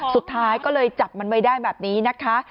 สุดท้ายก็เลยจับมันไว้ได้แบบนี้นะคะ